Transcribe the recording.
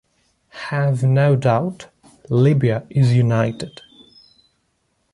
Have no doubt, Libya is united.